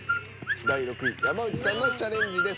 第６位山内さんのチャレンジです。